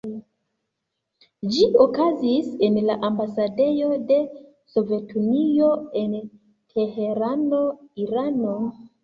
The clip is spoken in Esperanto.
Ĝi okazis en la ambasadejo de Sovetunio en Teherano, Irano.